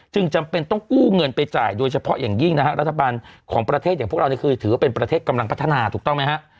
จำเป็นต้องกู้เงินไปจ่ายโดยเฉพาะอย่างยิ่งนะฮะรัฐบาลของประเทศอย่างพวกเรานี่คือถือว่าเป็นประเทศกำลังพัฒนาถูกต้องไหมฮะ